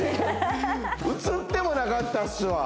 映ってもなかったっすわ